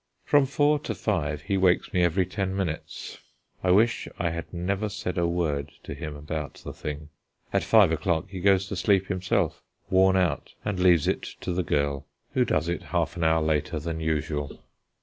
From four to five he wakes me every ten minutes. I wish I had never said a word to him about the thing. At five o'clock he goes to sleep himself, worn out, and leaves it to the girl, who does it half an hour later than usual.